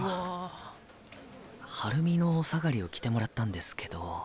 ハルミのおさがりを着てもらったんですけど。